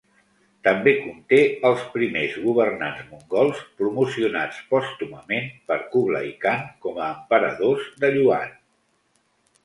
També conté els primers governants mongols promocionats pòstumament per Kublai Khan com a emperadors de Yuan.